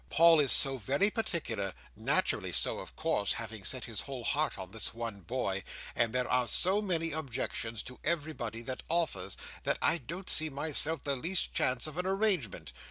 Paul is so very particular—naturally so, of course, having set his whole heart on this one boy—and there are so many objections to everybody that offers, that I don't see, myself, the least chance of an arrangement.